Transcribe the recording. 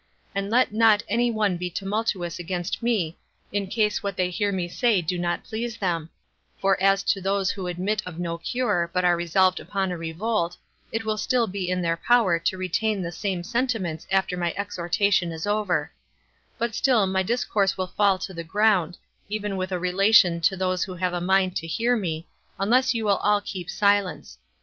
And let not any one be tumultuous against me, in case what they hear me say do not please them; for as to those that admit of no cure, but are resolved upon a revolt, it will still be in their power to retain the same sentiments after my exhortation is over; but still my discourse will fall to the ground, even with a relation to those that have a mind to hear me, unless you will all keep silence.